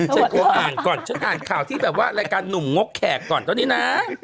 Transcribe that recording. ฉันโทรอ่านก่อนฉันอ่านข่าวที่แบบว่ารายการหนุ่มงกแขกก่อนเท่านี้นะ